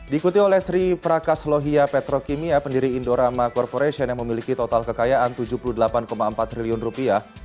diikuti oleh sri prakas lohia petrokimia pendiri indorama corporation yang memiliki total kekayaan tujuh puluh delapan empat triliun rupiah